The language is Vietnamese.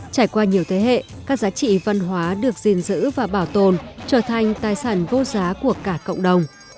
trải qua nhiều thế hệ các giá trị văn hóa được gìn giữ và bảo tồn trở thành tài sản vô giá của cả cộng đồng